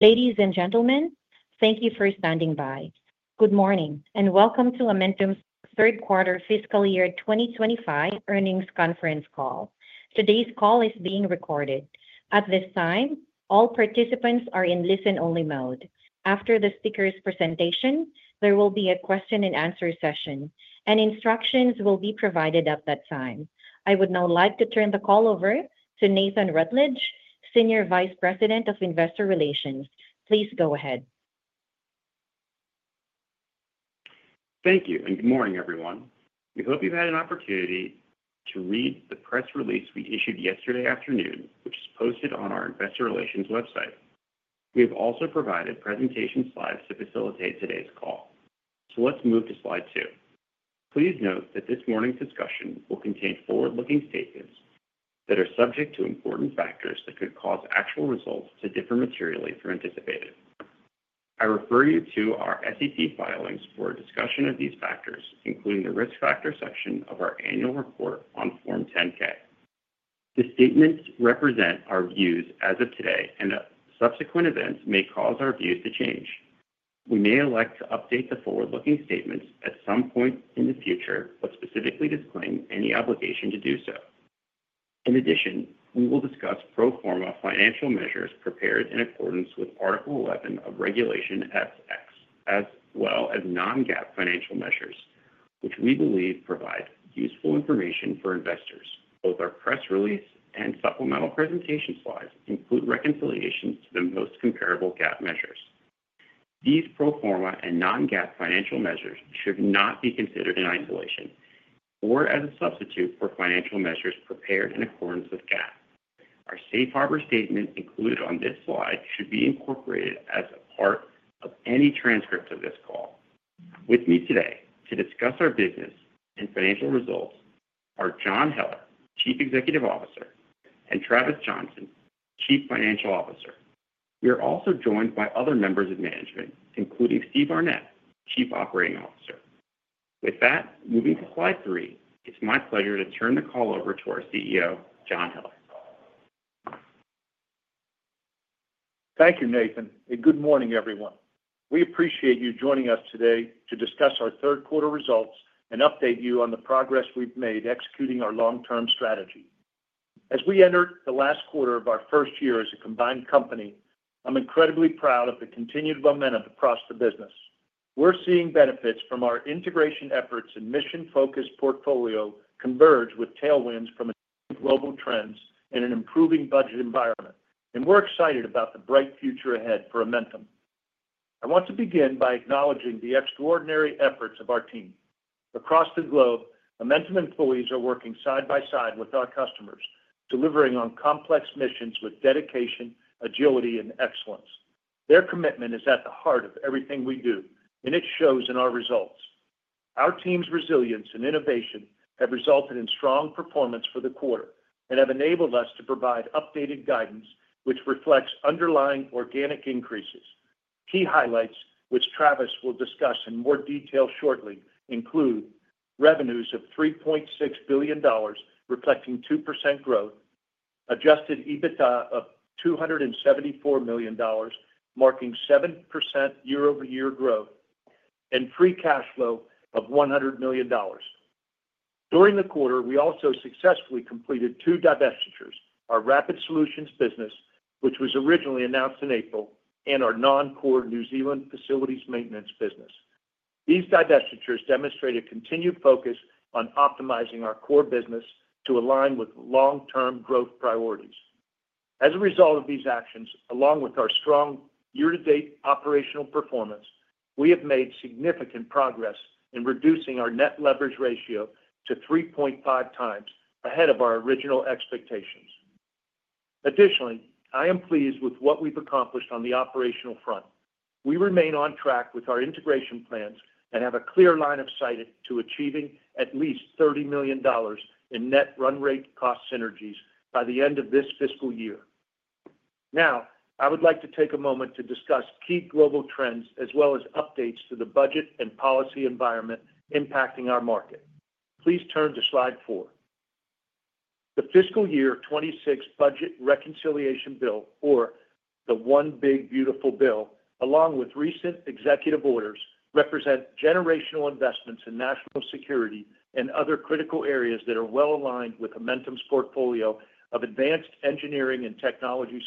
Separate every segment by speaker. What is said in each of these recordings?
Speaker 1: Ladies and gentlemen, thank you for standing by. Good morning and welcome to Amentum's Third Quarter Fiscal Year 2025 Earnings Conference Call. Today's call is being recorded. At this time, all participants are in listen-only mode. After the speaker's presentation, there will be a question-and-answer session, and instructions will be provided at that time. I would now like to turn the call over to Nathan Rutledge, Senior Vice President of Investor Relations. Please go ahead.
Speaker 2: Thank you, and good morning, everyone. We hope you've had an opportunity to read the press release we issued yesterday afternoon, which was posted on our Investor Relations website. We have also provided presentation slides to facilitate today's call. Let's move to slide two. Please note that this morning's discussion will contain forward-looking statements that are subject to important factors that could cause actual results to differ materially from anticipated. I refer you to our SEC filings for a discussion of these factors, including the risk factor section of our annual report on Form 10-K. The statements represent our views as of today, and subsequent events may cause our views to change. We may elect to update the forward-looking statements at some point in the future, but specifically disclaim any obligation to do so. In addition, we will discuss pro forma financial measures prepared in accordance with Article 11 of Regulation S-X, as well as non-GAAP financial measures, which we believe provide useful information for investors. Both our press release and supplemental presentation slides include reconciliations to the most comparable GAAP measures. These pro forma and non-GAAP financial measures should not be considered in isolation or as a substitute for financial measures prepared in accordance with GAAP. Our safe harbor statement included on this slide should be incorporated as a part of any transcript of this call. With me today to discuss our business and financial results are John Heller, Chief Executive Officer, and Travis Johnson, Chief Financial Officer. We are also joined by other members of management, including Steve Arnette, Chief Operating Officer. With that, moving to slide three, it's my pleasure to turn the call over to our CEO, John Heller.
Speaker 3: Thank you, Nathan, and good morning, everyone. We appreciate you joining us today to discuss our third quarter results and update you on the progress we've made executing our long-term strategy. As we entered the last quarter of our first year as a combined company, I'm incredibly proud of the continued momentum across the business. We're seeing benefits from our integration efforts and mission-focused portfolio converge with tailwinds from global trends in an improving budget environment, and we're excited about the bright future ahead for Amentum. I want to begin by acknowledging the extraordinary efforts of our team. Across the globe, Amentum employees are working side by side with our customers, delivering on complex missions with dedication, agility, and excellence. Their commitment is at the heart of everything we do, and it shows in our results. Our team's resilience and innovation have resulted in strong performance for the quarter and have enabled us to provide updated guidance, which reflects underlying organic increases. Key highlights, which Travis will discuss in more detail shortly, include revenues of $3.6 billion, reflecting 2% growth, adjusted EBITDA of $274 million, marking 7% year-over-year growth, and free cash flow of $100 million. During the quarter, we also successfully completed two divestitures: our Rapid Solutions business, which was originally announced in April, and our non-core New Zealand facilities maintenance business. These divestitures demonstrate a continued focus on optimizing our core business to align with long-term growth priorities. As a result of these actions, along with our strong year-to-date operational performance, we have made significant progress in reducing our net leverage ratio to 3.5x ahead of our original expectations. Additionally, I am pleased with what we've accomplished on the operational front. We remain on track with our integration plans and have a clear line of sight to achieving at least $30 million in net run-rate cost synergies by the end of this fiscal year. Now, I would like to take a moment to discuss key global trends, as well as updates to the budget and policy environment impacting our market. Please turn to slide four. The fiscal year 2026 budget reconciliation bill, or the One Big Beautiful Bill, along with recent executive orders, represent generational investments in national security and other critical areas that are well aligned with Amentum's portfolio of advanced engineering and technology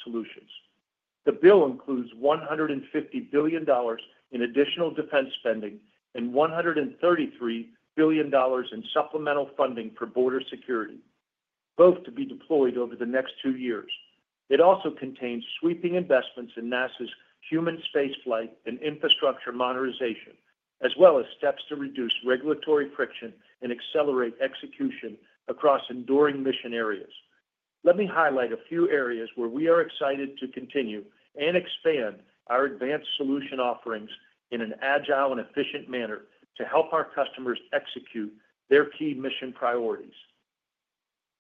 Speaker 3: solutions. The bill includes $150 billion in additional defense spending and $133 billion in supplemental funding for border security, both to be deployed over the next two years. It also contains sweeping investments in NASA's human space flight and infrastructure modernization, as well as steps to reduce regulatory friction and accelerate execution across enduring mission areas. Let me highlight a few areas where we are excited to continue and expand our advanced solution offerings in an agile and efficient manner to help our customers execute their key mission priorities.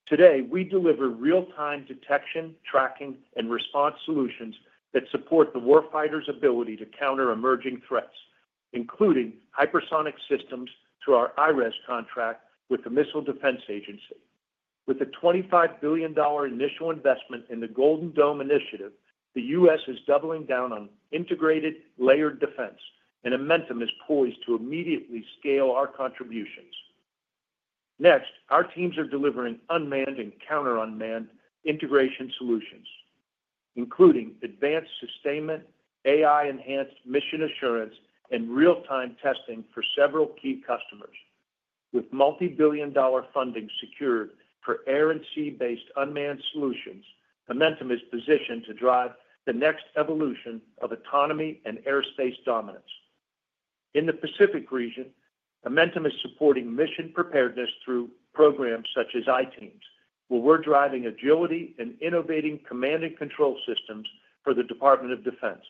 Speaker 3: Today, we deliver real-time detection, tracking, and response solutions that support the warfighter's ability to counter emerging threats, including hypersonic systems through our IRES contract with the Missile Defense Agency. With a $25 billion initial investment in the Golden Dome integrated defense, the U.S. is doubling down on integrated layered defense, and Amentum is poised to immediately scale our contributions. Next, our teams are delivering unmanned and counter-unmanned integration solutions, including advanced sustainment, AI-enhanced mission assurance, and real-time testing for several key customers. With multi-billion dollar funding secured for air and sea-based unmanned solutions, Amentum is positioned to drive the next evolution of autonomy and airspace dominance. In the Pacific region, Amentum is supporting mission preparedness through programs such as ITEAMS, where we're driving agility and innovating command and control systems for the Department of Defense.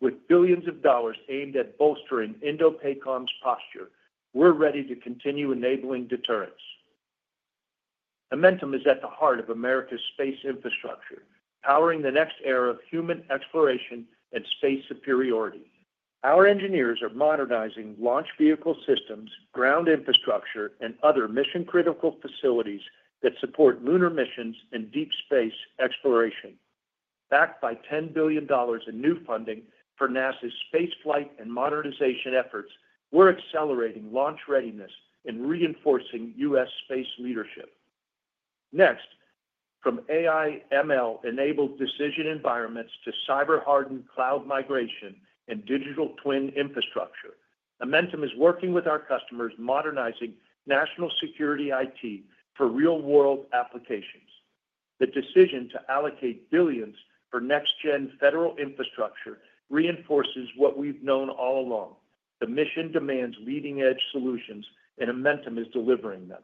Speaker 3: With billions of dollars aimed at bolstering Indo-PACOM's posture, we're ready to continue enabling deterrence. Amentum is at the heart of America's space infrastructure, powering the next era of human exploration and space superiority. Our engineers are modernizing launch vehicle systems, ground infrastructure, and other mission-critical facilities that support lunar missions and deep space exploration. Backed by $10 billion in new funding for NASA's space flight and modernization efforts, we're accelerating launch readiness and reinforcing U.S. space leadership. Next, from AI/ML-enabled decision environments to cyber-hardened cloud migration and digital twin infrastructure, Amentum is working with our customers modernizing national security IT for real-world applications. The decision to allocate billions for next-gen federal infrastructure reinforces what we've known all along: the mission demands leading-edge solutions, and Amentum is delivering them.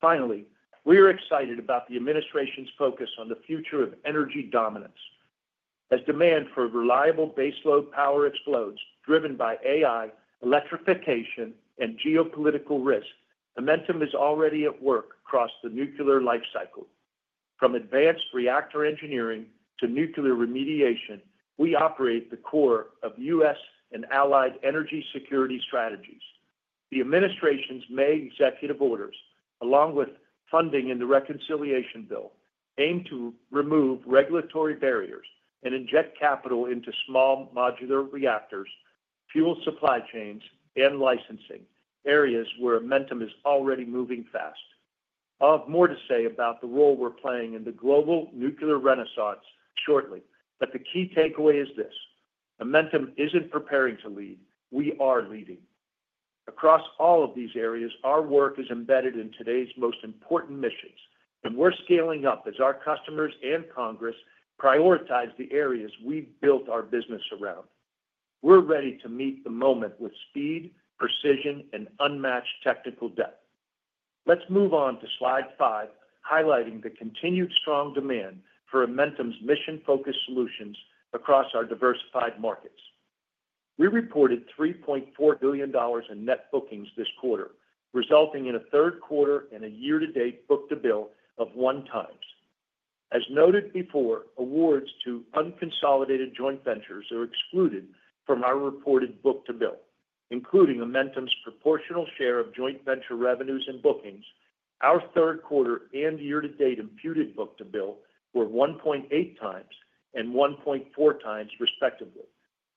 Speaker 3: Finally, we are excited about the administration's focus on the future of energy dominance. As demand for reliable baseload power explodes, driven by AI, electrification, and geopolitical risk, Amentum is already at work across the nuclear lifecycle. From advanced reactor engineering to nuclear remediation, we operate the core of U.S. and allied energy security strategies. The administration's May executive orders, along with funding in the reconciliation bill, aim to remove regulatory barriers and inject capital into small modular reactors, fuel supply chains, and licensing, areas where Amentum is already moving fast. I'll have more to say about the role we're playing in the global nuclear renaissance shortly, but the key takeaway is this: Amentum isn't preparing to lead. We are leading. Across all of these areas, our work is embedded in today's most important missions, and we're scaling up as our customers and Congress prioritize the areas we've built our business around. We're ready to meet the moment with speed, precision, and unmatched technical depth. Let's move on to slide five, highlighting the continued strong demand for Amentum's mission-focused solutions across our diversified markets. We reported $3.4 billion in net bookings this quarter, resulting in a third quarter and a year-to-date book-to-bill of 1x. As noted before, awards to unconsolidated joint ventures are excluded from our reported book-to-bill, including Amentum's proportional share of joint venture revenues and bookings. Our third quarter and year-to-date imputed book-to-bill were 1.8x and 1.4x, respectively,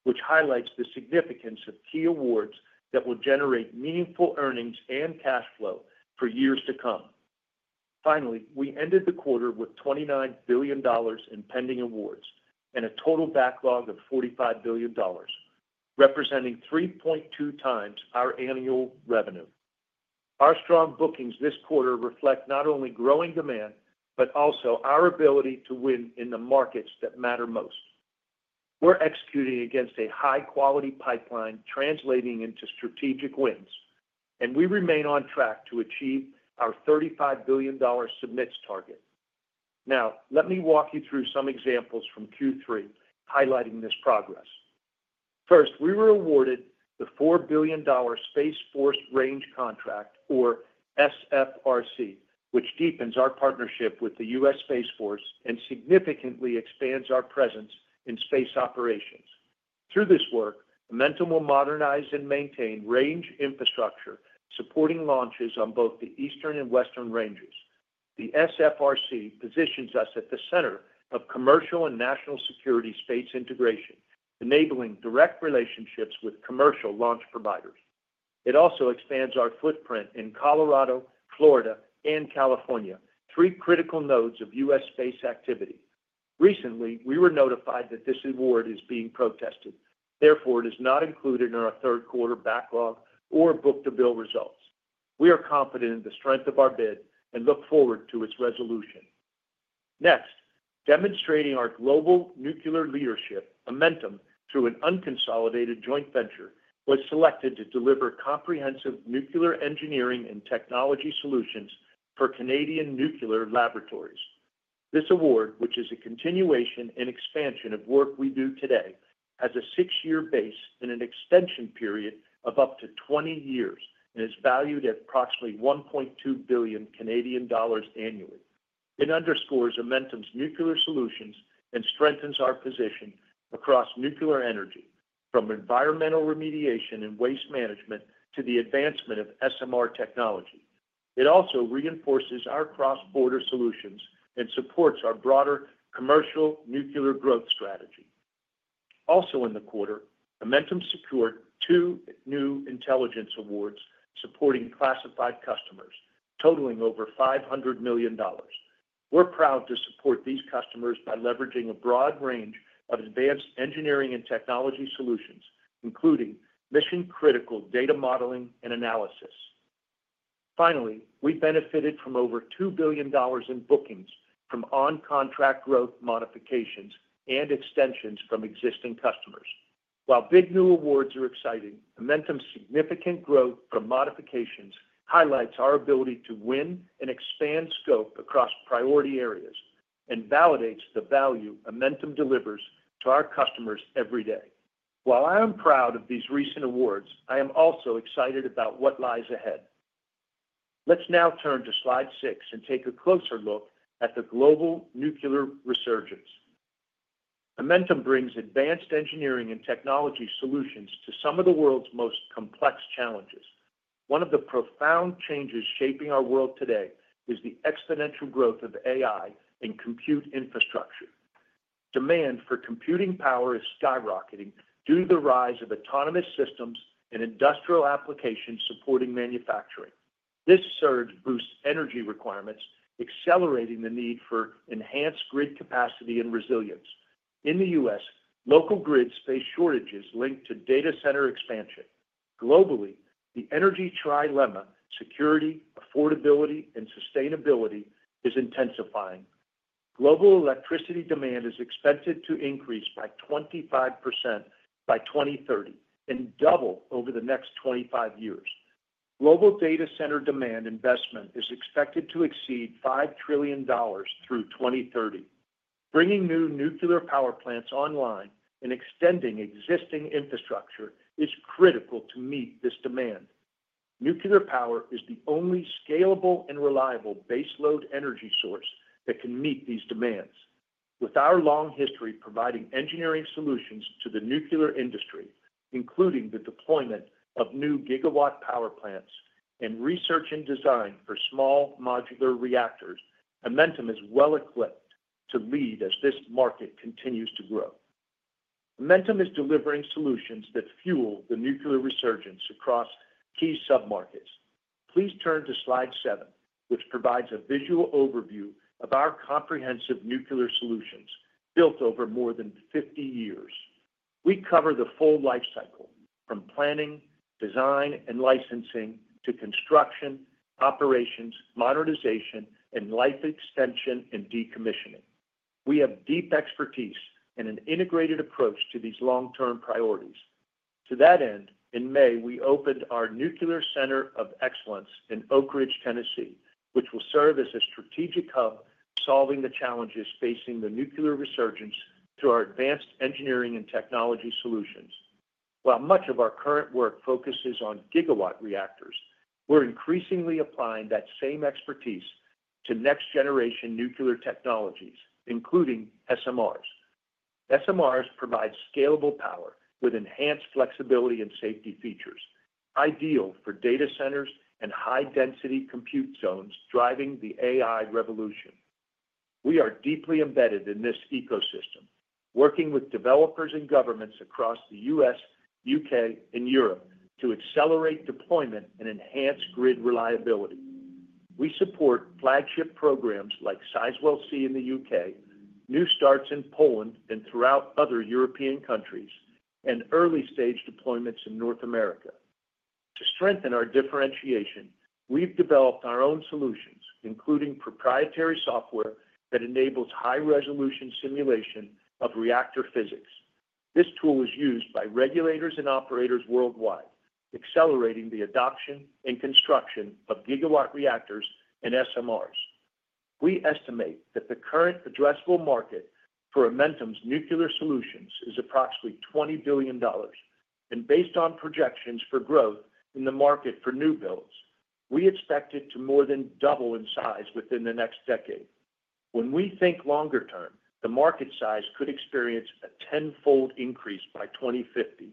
Speaker 3: which highlights the significance of key awards that will generate meaningful earnings and cash flow for years to come. Finally, we ended the quarter with $29 billion in pending awards and a total backlog of $45 billion, representing 3.2x our annual revenue. Our strong bookings this quarter reflect not only growing demand but also our ability to win in the markets that matter most. We're executing against a high-quality pipeline, translating into strategic wins, and we remain on track to achieve our $35 billion submits target. Now, let me walk you through some examples from Q3, highlighting this progress. First, we were awarded the $4 billion Space Force Range Contract, or SFRC, which deepens our partnership with the U.S. Space Force and significantly expands our presence in space operations. Through this work, Amentum will modernize and maintain range infrastructure, supporting launches on both the Eastern and Western ranges. The SFRC positions us at the center of commercial and national security space integration, enabling direct relationships with commercial launch providers. It also expands our footprint in Colorado, Florida, and California, three critical nodes of U.S. space activity. Recently, we were notified that this award is being protested. Therefore, it is not included in our third quarter backlog or book-to-bill results. We are confident in the strength of our bid and look forward to its resolution. Next, demonstrating our global nuclear leadership, Amentum, through an unconsolidated joint venture, was selected to deliver comprehensive nuclear engineering and technology solutions for Canadian Nuclear Laboratories. This award, which is a continuation and expansion of work we do today, has a six-year base and an extension period of up to 20 years and is valued at approximately 1.2 billion Canadian dollars annually. It underscores Amentum Holdings Inc.'s nuclear solutions and strengthens our position across nuclear energy, from environmental remediation and waste management to the advancement of SMR technology. It also reinforces our cross-border solutions and supports our broader commercial nuclear growth strategy. Also in the quarter, Amentum secured two new intelligence awards supporting classified customers, totaling over $500 million. We're proud to support these customers by leveraging a broad range of advanced engineering and technology solutions, including mission-critical data modeling and analysis. Finally, we benefited from over $2 billion in bookings from on-contract growth modifications and extensions from existing customers. While big new awards are exciting, Amentum's significant growth from modifications highlights our ability to win and expand scope across priority areas and validates the value Amentum delivers to our customers every day. While I am proud of these recent awards, I am also excited about what lies ahead. Let's now turn to slide six and take a closer look at the global nuclear resurgence. Amentum brings advanced engineering and technology solutions to some of the world's most complex challenges. One of the profound changes shaping our world today is the exponential growth of AI in compute infrastructure. Demand for computing power is skyrocketing due to the rise of autonomous systems and industrial applications supporting manufacturing. This surge boosts energy requirements, accelerating the need for enhanced grid capacity and resilience. In the U.S., local grids face shortages linked to data center expansion. Globally, the energy trilemma: security, affordability, and sustainability is intensifying. Global electricity demand is expected to increase by 25% by 2030 and double over the next 25 years. Global data center demand investment is expected to exceed $5 trillion through 2030. Bringing new nuclear power plants online and extending existing infrastructure is critical to meet this demand. Nuclear power is the only scalable and reliable baseload energy source that can meet these demands. With our long history providing engineering solutions to the nuclear industry, including the deployment of new gigawatt power plants and research and design for small modular reactors, Amentum is well-equipped to lead as this market continues to grow. Amentum is delivering solutions that fuel the nuclear resurgence across key submarkets. Please turn to slide seven, which provides a visual overview of our comprehensive nuclear solutions built over more than 50 years. We cover the full lifecycle, from planning, design, and licensing to construction, operations, modernization, and life extension and decommissioning. We have deep expertise and an integrated approach to these long-term priorities. To that end, in May, we opened our Nuclear Center of Excellence in Oak Ridge, Tennessee, which will serve as a strategic hub solving the challenges facing the nuclear resurgence through our advanced engineering and technology solutions. While much of our current work focuses on gigawatt reactors, we're increasingly applying that same expertise to next-generation nuclear technologies, including SMRs. SMRs provide scalable power with enhanced flexibility and safety features, ideal for data centers and high-density compute zones, driving the AI revolution. We are deeply embedded in this ecosystem, working with developers and governments across the U.S., U.K., and Europe to accelerate deployment and enhance grid reliability. We support flagship programs like Sizewell C in the U.K., New Starts in Poland, and throughout other European countries, and early-stage deployments in North America. To strengthen our differentiation, we've developed our own solutions, including proprietary software that enables high-resolution simulation of reactor physics. This tool is used by regulators and operators worldwide, accelerating the adoption and construction of gigawatt reactors and SMRs. We estimate that the current addressable market for Amentum's nuclear solutions is approximately $20 billion, and based on projections for growth in the market for new builds, we expect it to more than double in size within the next decade. When we think longer term, the market size could experience a tenfold increase by 2050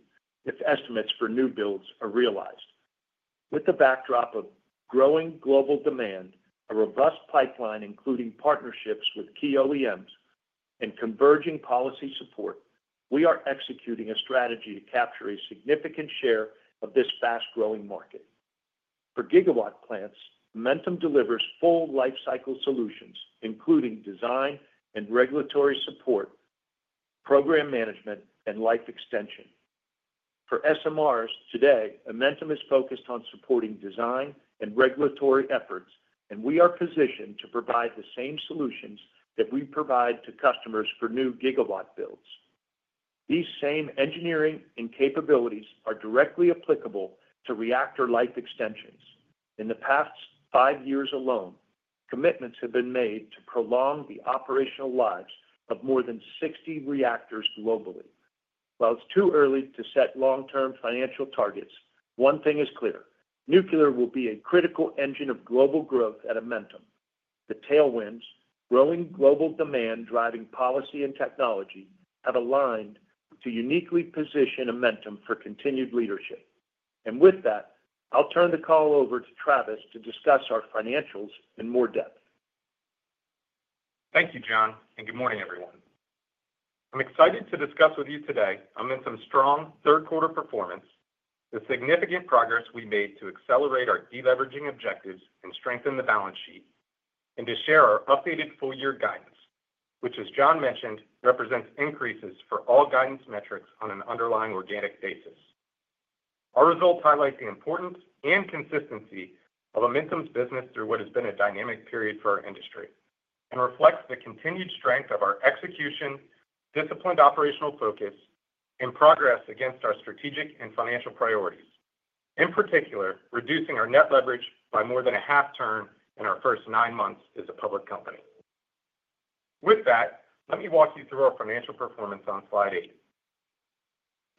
Speaker 3: if estimates for new builds are realized. With the backdrop of growing global demand, a robust pipeline, including partnerships with key OEMs, and converging policy support, we are executing a strategy to capture a significant share of this fast-growing market. For gigawatt plants, Amentum delivers full lifecycle solutions, including design and regulatory support, program management, and life extension. For SMRs today, Amentum is focused on supporting design and regulatory efforts, and we are positioned to provide the same solutions that we provide to customers for new gigawatt builds. These same engineering and capabilities are directly applicable to reactor life extensions. In the past five years alone, commitments have been made to prolong the operational lives of more than 60 reactors globally. While it's too early to set long-term financial targets, one thing is clear: nuclear will be a critical engine of global growth at Amentum. The tailwinds, growing global demand, driving policy, and technology have aligned to uniquely position Amentum for continued leadership. I'll turn the call over to Travis to discuss our financials in more depth.
Speaker 4: Thank you, John, and good morning, everyone. I'm excited to discuss with you today Amentum's strong third-quarter performance, the significant progress we made to accelerate our deleveraging objectives and strengthen the balance sheet, and to share our updated full-year guidance, which, as John mentioned, represents increases for all guidance metrics on an underlying organic basis. Our results highlight the importance and consistency of Amentum's business through what has been a dynamic period for our industry and reflect the continued strength of our execution, disciplined operational focus, and progress against our strategic and financial priorities, in particular, reducing our net leverage by more than a half turn in our first nine months as a public company. With that, let me walk you through our financial performance on slide eight.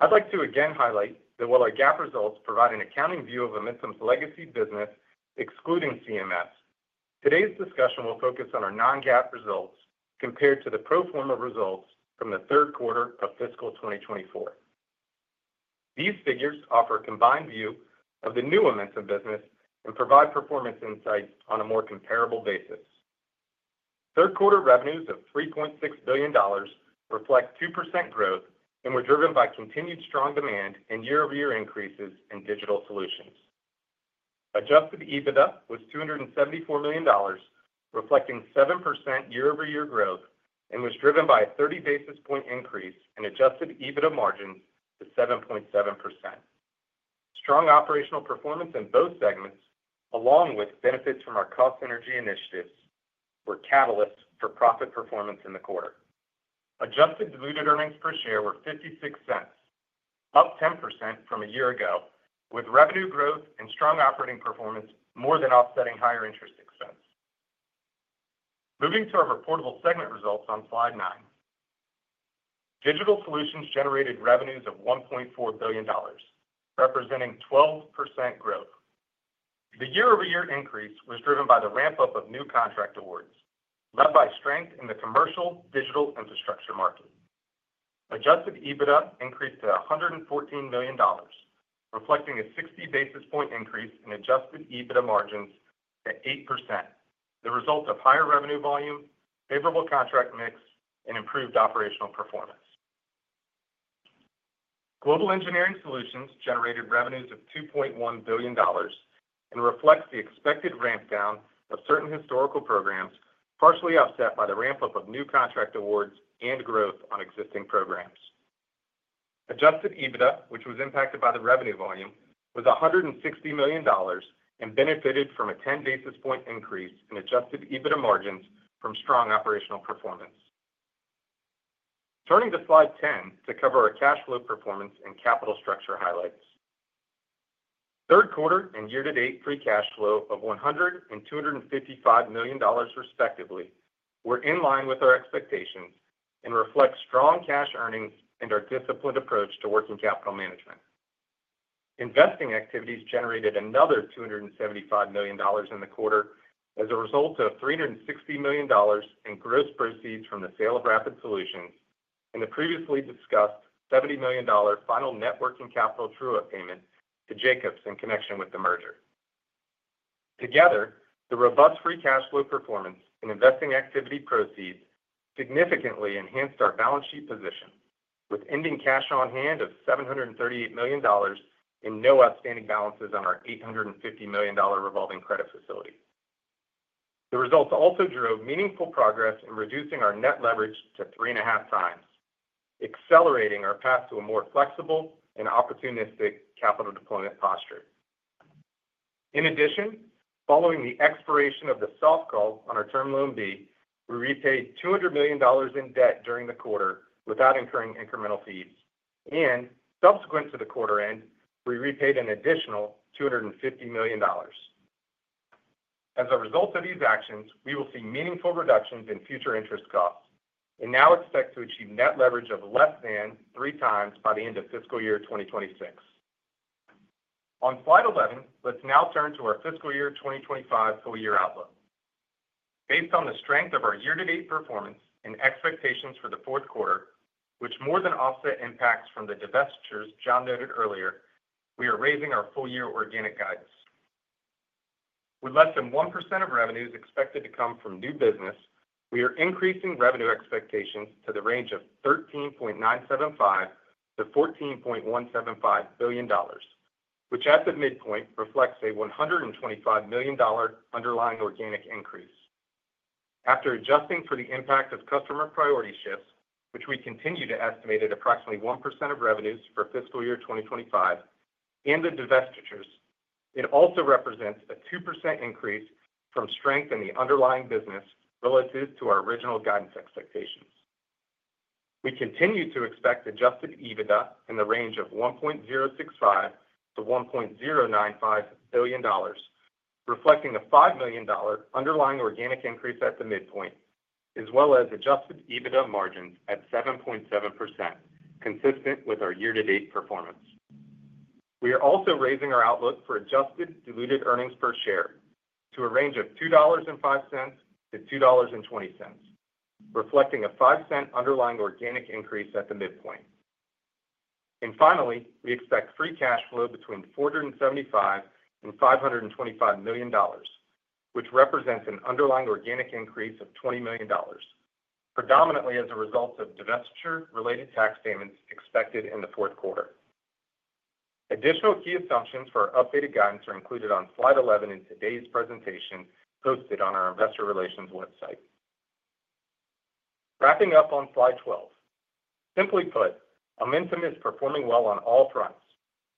Speaker 4: I'd like to again highlight that while our GAAP results provide an accounting view of Amentum's legacy business, excluding CMS, today's discussion will focus on our non-GAAP results compared to the pro forma results from the third quarter of fiscal 2024. These figures offer a combined view of the new Amentum business and provide performance insights on a more comparable basis. Third quarter revenues of $3.6 billion reflect 2% growth and were driven by continued strong demand and year-over-year increases in digital solutions. Adjusted EBITDA was $274 million, reflecting 7% year-over-year growth and was driven by a 30 basis point increase in adjusted EBITDA margin to 7.7%. Strong operational performance in both segments, along with benefits from our cost energy initiatives, were catalysts for profit performance in the quarter. Adjusted diluted earnings per share were $0.56, up 10% from a year ago, with revenue growth and strong operating performance more than offsetting higher interest expense. Moving to our reportable segment results on slide nine, digital solutions generated revenues of $1.4 billion, representing 12% growth. The year-over-year increase was driven by the ramp-up of new contract awards, led by strength in the commercial digital infrastructure market. Adjusted EBITDA increased to $114 million, reflecting a 60 basis point increase in adjusted EBITDA margins at 8%, the result of higher revenue volume, favorable contract mix, and improved operational performance. Global engineering solutions generated revenues of $2.1 billion and reflect the expected ramp-down of certain historical programs, partially offset by the ramp-up of new contract awards and growth on existing programs. Adjusted EBITDA, which was impacted by the revenue volume, was $160 million and benefited from a 10 basis points increase in adjusted EBITDA margins from strong operational performance. Turning to slide 10 to cover our cash flow performance and capital structure highlights. Third quarter and year-to-date free cash flow of $100 million and $255 million, respectively, were in line with our expectations and reflect strong cash earnings and our disciplined approach to working capital management. Investing activities generated another $275 million in the quarter as a result of $360 million in gross proceeds from the sale of Rapid Solutions and the previously discussed $70 million final net working capital true-up payment to Jacobs in connection with the merger. Together, the robust free cash flow performance and investing activity proceeds significantly enhanced our balance sheet position, with ending cash on hand of $738 million and no outstanding balances on our $850 million revolving credit facilities. The results also drove meaningful progress in reducing our net leverage to 3.5x, accelerating our path to a more flexible and opportunistic capital deployment posture. In addition, following the expiration of the soft call on our Term Loan B, we repaid $200 million in debt during the quarter without incurring incremental fees. Subsequent to the quarter end, we repaid an additional $250 million. As a result of these actions, we will see meaningful reductions in future interest costs and now expect to achieve net leverage of less than 3x by the end of fiscal year 2026. On slide 11, let's now turn to our fiscal year 2025 full-year outlook. Based on the strength of our year-to-date performance and expectations for the fourth quarter, which more than offset impacts from the divestitures John noted earlier, we are raising our full-year organic guidance. With less than 1% of revenues expected to come from new business, we are increasing revenue expectations to the range of $13.975 billion-$14.175 billion, which at the midpoint reflects a $125 million underlying organic increase. After adjusting for the impact of customer priority shifts, which we continue to estimate at approximately 1% of revenues for fiscal year 2025 and the divestitures, it also represents a 2% increase from strength in the underlying business relative to our original guidance expectations. We continue to expect adjusted EBITDA in the range of $1.065 billion-$1.095 billion, reflecting a $5 million underlying organic increase at the midpoint, as well as adjusted EBITDA margins at 7.7%, consistent with our year-to-date performance. We are also raising our outlook for adjusted diluted earnings per share to a range of $2.05-$2.20, reflecting a 5% underlying organic increase at the midpoint. Finally, we expect free cash flow between $475 million and $525 million, which represents an underlying organic increase of $20 million, predominantly as a result of divestiture-related tax payments expected in the fourth quarter. Additional key assumptions for our updated guidance are included on slide 11 in today's presentation posted on our Investor Relations website. Wrapping up on slide 12, simply put, Amentum is performing well on all fronts,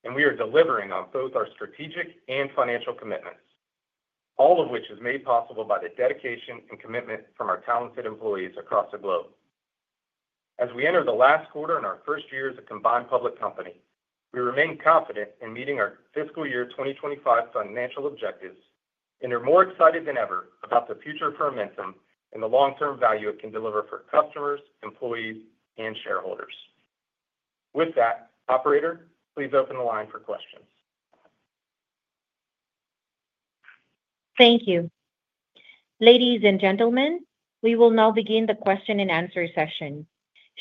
Speaker 4: and we are delivering on both our strategic and financial commitments, all of which is made possible by the dedication and commitment from our talented employees across the globe. As we enter the last quarter in our first year as a combined public company, we remain confident in meeting our fiscal year 2025 financial objectives and are more excited than ever about the future for Amentum and the long-term value it can deliver for customers, employees, and shareholders. With that, operator, please open the line for questions.
Speaker 1: Thank you. Ladies and gentlemen, we will now begin the question-and-answer session.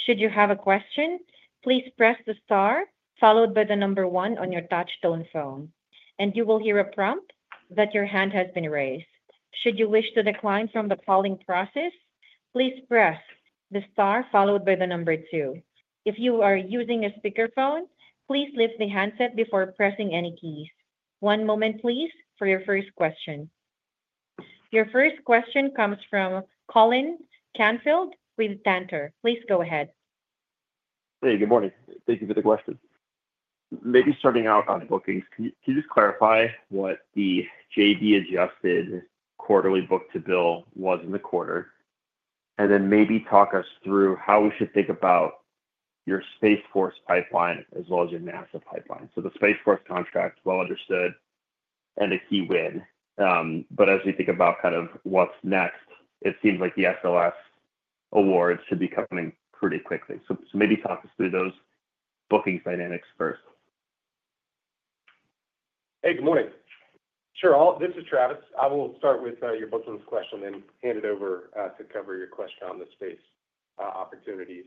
Speaker 1: Should you have a question, please press the star followed by the number one on your touchtone phone, and you will hear a prompt that your hand has been raised. Should you wish to decline from the polling process, please press the star followed by the number two. If you are using a speakerphone, please lift the handset before pressing any keys. One moment, please, for your first question. Your first question comes from Colin Canfield with Cantor. Please go ahead.
Speaker 5: Hey, good morning. Thank you for the question. Maybe starting out on bookings, can you just clarify what the JV adjusted quarterly book-to-bill was in the quarter? Then maybe talk us through how we should think about your Space Force pipeline as well as your NASA pipeline. The Space Force contract is well understood and a key win. As we think about what's next, it seems like the SLS awards should be coming pretty quickly. Maybe talk us through those bookings dynamics first.
Speaker 4: Hey, good morning. Sure, this is Travis. I will start with your bookings question and then hand it over to cover your question on the space opportunities.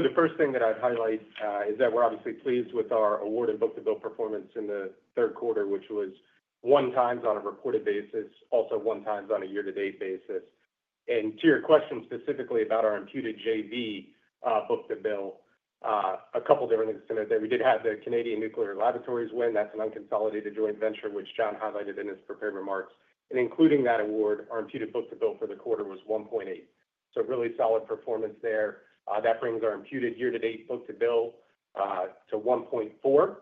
Speaker 4: The first thing that I'd highlight is that we're obviously pleased with our award and book-to-bill performance in the third quarter, which was 1x on a recorded basis, also 1x on a year-to-date basis. To your question specifically about our imputed JV book-to-bill, a couple of different things to note there. We did have the Canadian Nuclear Laboratories win. That's an unconsolidated joint venture, which John highlighted in his prepared remarks. Including that award, our imputed book-to-bill for the quarter was $1.8. Really solid performance there. That brings our imputed year-to-date book-to-bill to $1.4.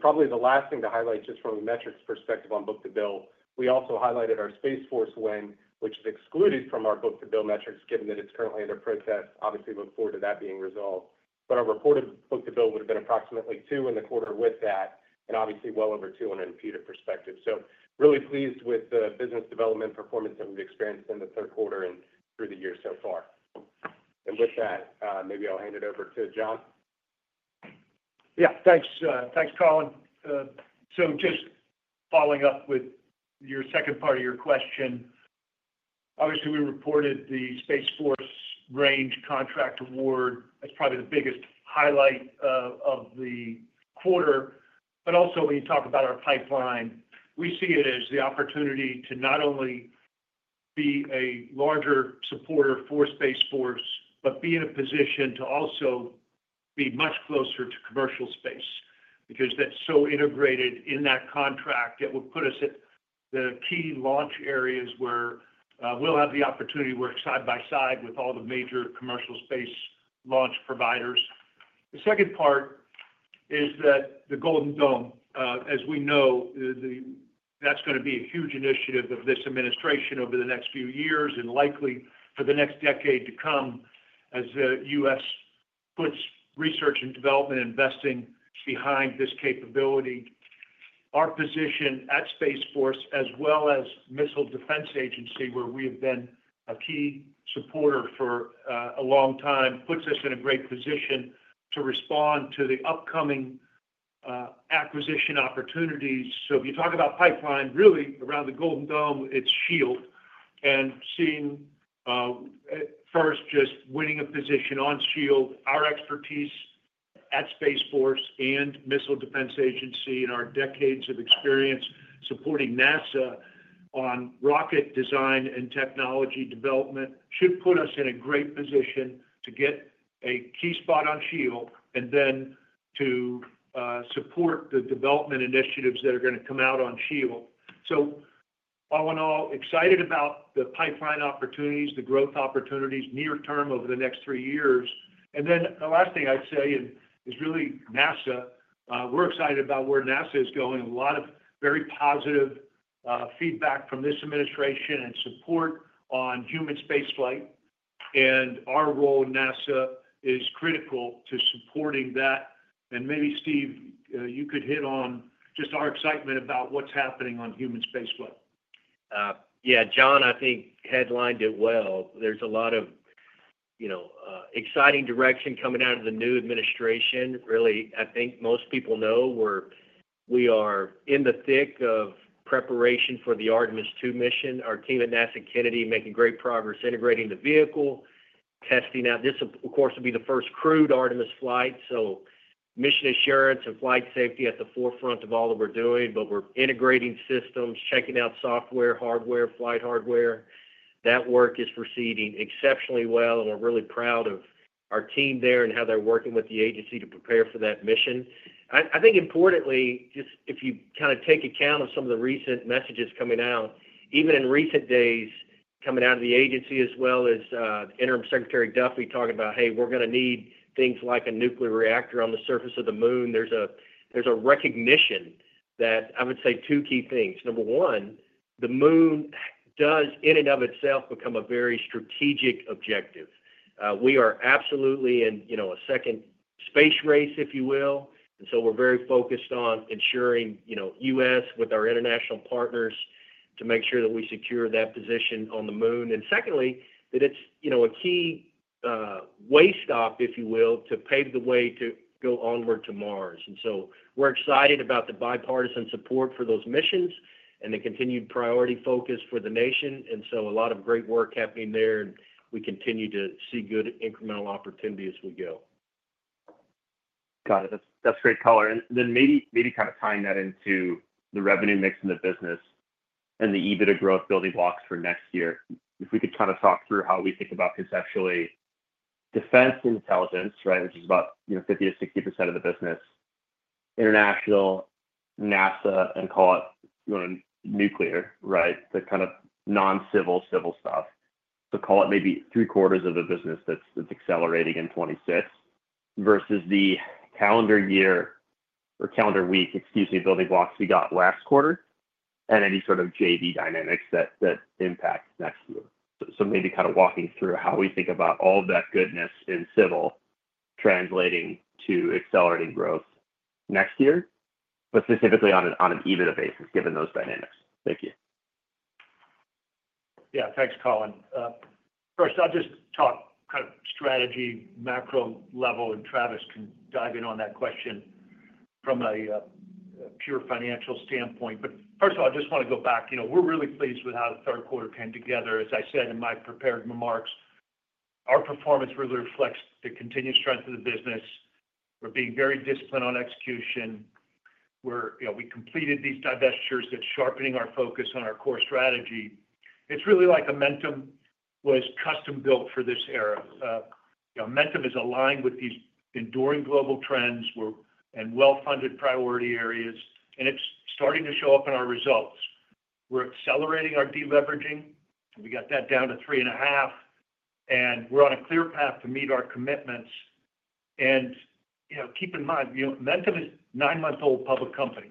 Speaker 4: Probably the last thing to highlight just from a metrics perspective on book-to-bill, we also highlighted our Space Force win, which is excluded from our book-to-bill metrics given that it's currently under protest. Obviously, we look forward to that being resolved. Our recorded book-to-bill would have been approximately $2 in the quarter with that, and obviously well over $2 in an imputed perspective. Really pleased with the business development performance that we've experienced in the third quarter and through the year so far. With that, maybe I'll hand it over to John.
Speaker 3: Yeah, thanks, thanks, Colin. Just following up with your second part of your question, obviously, we reported the Space Force Range Contract award as probably the biggest highlight of the quarter. Also, when you talk about our pipeline, we see it as the opportunity to not only be a larger supporter for Space Force, but be in a position to also be much closer to commercial space because that's so integrated in that contract. That will put us at the key launch areas where we'll have the opportunity to work side by side with all the major commercial space launch providers. The second part is that the Golden Dome, as we know, that's going to be a huge initiative of this administration over the next few years and likely for the next decade to come as the U.S. puts research and development investing behind this capability. Our position at Space Force, as well as Missile Defense Agency, where we have been a key supporter for a long time, puts us in a great position to respond to the upcoming acquisition opportunities. If you talk about pipeline, really around the Golden Dome, it's SHIELD. Seeing at first just winning a position on SHIELD, our expertise at Space Force and Missile Defense Agency and our decades of experience supporting NASA on rocket design and technology development should put us in a great position to get a key spot on SHIELD and then to support the development initiatives that are going to come out on SHIELD. All in all, excited about the pipeline opportunities, the growth opportunities near term over the next three years. The last thing I'd say is really NASA. We're excited about where NASA is going. A lot of very positive feedback from this administration and support on human spaceflight. Our role in NASA is critical to supporting that. Maybe, Steve, you could hit on just our excitement about what's happening on human spaceflight.
Speaker 6: Yeah, John, I think headlined it well. There's a lot of exciting direction coming out of the new administration. Really, I think most people know we are in the thick of preparation for the Artemis II mission. Our team at NASA Kennedy is making great progress integrating the vehicle, testing out. This, of course, will be the first crewed Artemis flight. Mission assurance and flight safety are at the forefront of all that we're doing, but we're integrating systems, checking out software, hardware, flight hardware. That work is proceeding exceptionally well, and we're really proud of our team there and how they're working with the agency to prepare for that mission. I think importantly, just if you kind of take account of some of the recent messages coming out, even in recent days, coming out of the agency, as well as Interim Secretary Duffy talking about, "Hey, we're going to need things like a nuclear reactor on the surface of the moon," there's a recognition that I would say two key things. Number one, the moon does in and of itself become a very strategic objective. We are absolutely in a second space race, if you will. We are very focused on ensuring the U.S. with our international partners to make sure that we secure that position on the moon. Secondly, it's a key way stop, if you will, to pave the way to go onward to Mars. We're excited about the bipartisan support for those missions and the continued priority focus for the nation. A lot of great work is happening there, and we continue to see good incremental opportunity as we go.
Speaker 5: Got it. That's great color. Maybe kind of tying that into the revenue mix in the business and the EBITDA growth building blocks for next year, if we could kind of talk through how we think about conceptually defense and intelligence, right, which is about 50%-60% of the business, international, NASA, and call it, you know, nuclear, right, the kind of non-civil civil stuff. Call it maybe three quarters of the business that's accelerating in 2026 versus the calendar year or calendar week, excuse me, building blocks we got last quarter and any sort of JV dynamics that impact next year. Maybe kind of walking through how we think about all of that goodness in civil translating to accelerating growth next year, but specifically on an EBITDA basis given those dynamics. Thank you.
Speaker 3: Yeah, thanks, Colin. First, I'll just talk kind of strategy, macro level, and Travis can dive in on that question from a pure financial standpoint. First of all, I just want to go back. You know, we're really pleased with how the third quarter came together. As I said in my prepared remarks, our performance really reflects the continued strength of the business. We're being very disciplined on execution. We completed these divestitures that are sharpening our focus on our core strategy. It's really like Amentum was custom-built for this era. Amentum is aligned with these enduring global trends. We're in well-funded priority areas, and it's starting to show up in our results. We're accelerating our deleveraging. We got that down to 3.5x, and we're on a clear path to meet our commitments. Keep in mind, Amentum is a nine-month-old public company.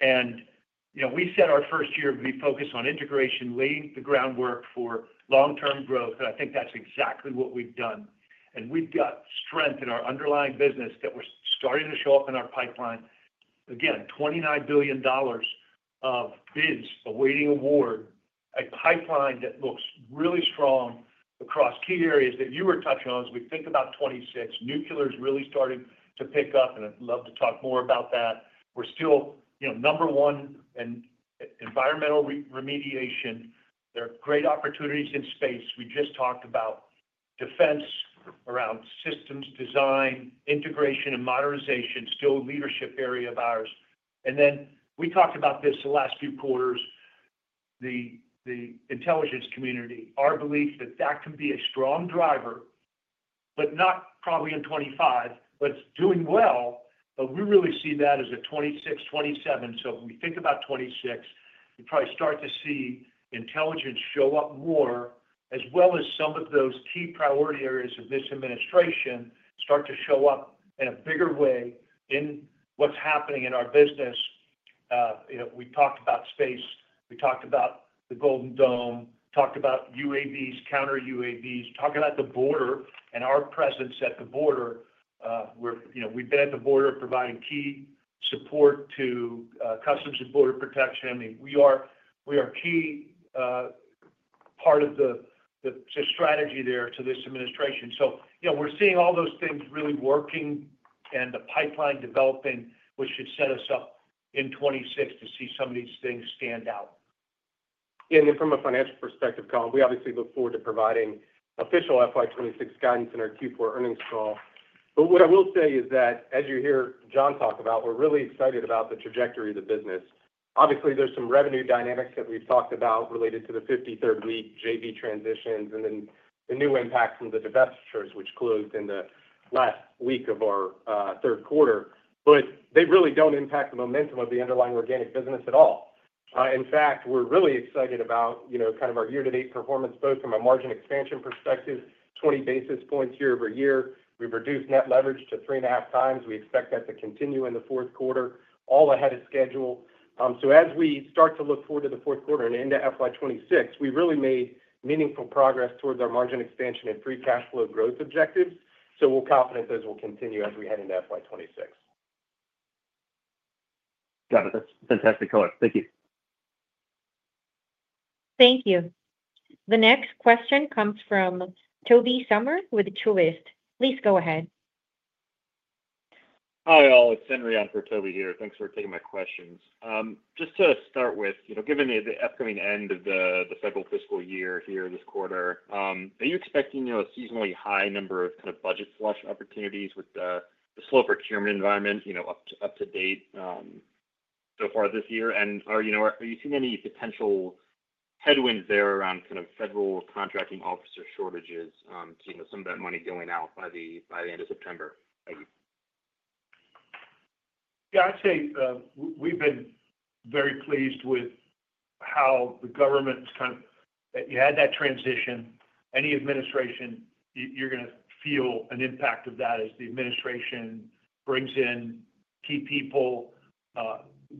Speaker 3: We set our first year to be focused on integration and laying the groundwork for long-term growth. I think that's exactly what we've done. We've got strength in our underlying business that we're starting to show up in our pipeline. Again, $29 billion of bids, awaiting award, a pipeline that looks really strong across key areas that you were touching on as we think about 2026. Nuclear is really starting to pick up, and I'd love to talk more about that. We're still number one in environmental remediation. There are great opportunities in space. We just talked about defense around systems design, integration, and modernization, still a leadership area of ours. We talked about this the last few quarters, the intelligence community, our belief that that can be a strong driver, but not probably in 2025, but it's doing well. We really see that as a 2026, 2027. When we think about 2026, we probably start to see intelligence show up more, as well as some of those key priority areas of this administration start to show up in a bigger way in what's happening in our business. We talked about space. We talked about the Golden Dome, talked about UAVs, counter UAVs, talking about the border and our presence at the border, where we've been at the border providing key support to Customs and Border Protection. I mean, we are a key part of the strategy there to this administration. We're seeing all those things really working and the pipeline development, which should set us up in 2026 to see some of these things stand out.
Speaker 4: Yeah, and from a financial perspective, Colin, we obviously look forward to providing official FY2026 guidance in our Q4 earnings call. What I will say is that, as you hear John talk about, we're really excited about the trajectory of the business. Obviously, there's some revenue dynamics that we've talked about related to the 53rd week, JV transitions, and then the new impact from the divestitures, which closed in the last week of our third quarter. They really don't impact the momentum of the underlying organic business at all. In fact, we're really excited about our year-to-date performance, both from a margin expansion perspective, 20 basis points year over year. We've reduced net leverage to 3.5x. We expect that to continue in the fourth quarter, all ahead of schedule. As we start to look forward to the fourth quarter and into FY2026, we've really made meaningful progress towards our margin expansion and free cash flow growth objectives. We're confident those will continue as we head into FY26.
Speaker 5: Got it. That's fantastic, Color. Thank you.
Speaker 1: Thank you. The next question comes from Toby Sommer with Truist. Please go ahead.
Speaker 7: Hi, all. It's Henry on for Toby here. Thanks for taking my questions. Just to start with, given the upcoming end of the federal fiscal year here this quarter, are you expecting a seasonally high number of kind of budget flush opportunities with the slow procurement environment up to date so far this year? Are you seeing any potential headwinds there around kind of federal contracting officer shortages to some of that money going out by the end of September?
Speaker 3: I'd say we've been very pleased with how the government has kind of had that transition. Any administration, you're going to feel an impact of that as the administration brings in key people,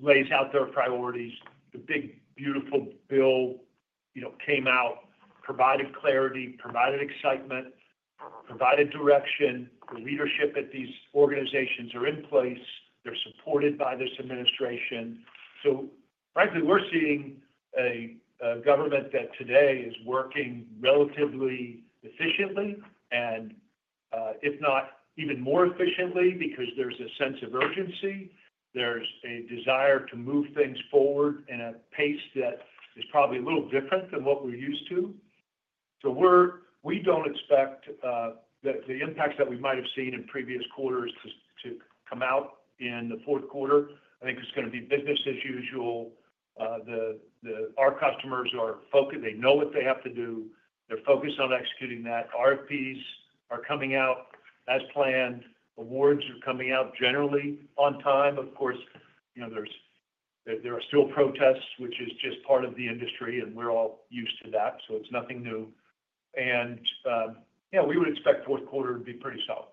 Speaker 3: lays out their priorities. The One Big Beautiful Bill, you know, came out, provided clarity, provided excitement, provided direction. The leadership at these organizations are in place. They're supported by this administration. Frankly, we're seeing a government that today is working relatively efficiently, if not even more efficiently because there's a sense of urgency. There's a desire to move things forward at a pace that is probably a little different than what we're used to. We don't expect that the impacts that we might have seen in previous quarters to come out in the fourth quarter. I think it's going to be business as usual. Our customers are focused. They know what they have to do. They're focused on executing that. RFPs are coming out as planned. Awards are coming out generally on time. Of course, there are still protests, which is just part of the industry, and we're all used to that. It's nothing new. We would expect the fourth quarter to be pretty solid.